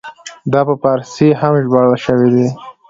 دا په فارسي هم ژباړل شوی دی.